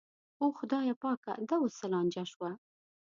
او خدایه پاکه دا اوس څه لانجه شوه.